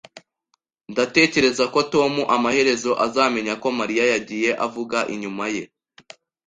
Ndatekereza ko Tom amaherezo azamenya ko Mariya yagiye avuga inyuma ye